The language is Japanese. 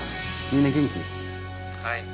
はい。